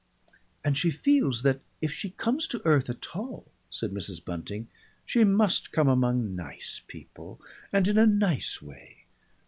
"And she feels that if she comes to earth at all," said Mrs. Bunting, "she must come among nice people and in a nice way.